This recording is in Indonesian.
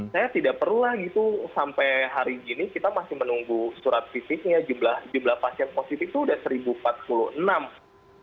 saya tidak perlulah gitu sampai hari gini kita masih menunggu surat fisiknya jumlah pasien positif itu sudah seribu empat puluh enam